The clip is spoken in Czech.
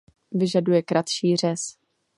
Vyžaduje kratší řez.